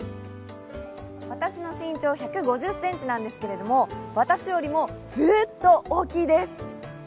私の身長１５０ｃｍなんですけれども、私よりもずーっと大きいです。